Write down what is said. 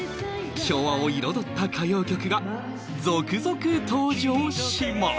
昭和を彩った歌謡曲が続々登場します